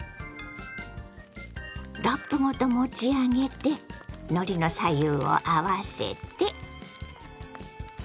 ラップごと持ち上げてのりの左右を合わせて。